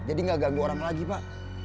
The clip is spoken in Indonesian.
jadi gak ganggu orang lagi pak